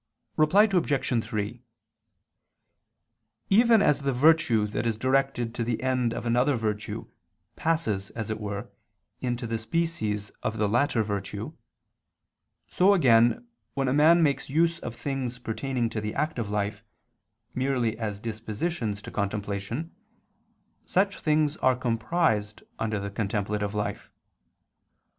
Reply Obj. 3: Even as the virtue that is directed to the end of another virtue passes, as it were, into the species of the latter virtue, so again when a man makes use of things pertaining to the active life, merely as dispositions to contemplation, such things are comprised under the contemplative life.